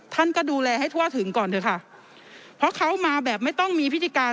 ท่านก็ดูแลให้ทั่วถึงก่อนเถอะค่ะเพราะเขามาแบบไม่ต้องมีพิธีการ